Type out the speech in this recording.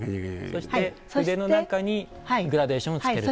そして筆の中にグラデーションをつけると。